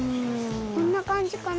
こんなかんじかな。